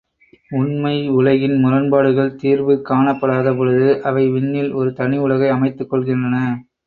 உண்மை உலகின் முரண்பாடுகள் தீர்வு காணப்படாதபொழுது அவை விண்ணில் ஒரு தனி உலகை அமைத்துக் கொள்கின்றன.